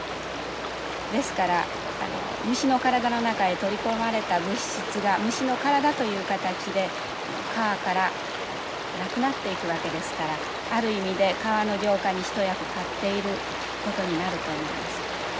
ですから虫の体の中へ取り込まれた物質が虫の体という形で川からなくなっていくわけですからある意味で川の浄化に一役買っていることになると思います。